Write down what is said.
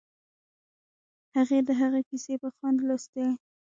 هغې د هغه کیسې په خوند لوستې